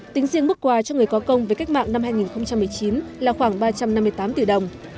tính riêng mức quà cho người có công với cách mạng năm hai nghìn một mươi chín là khoảng ba trăm năm mươi tám tỷ đồng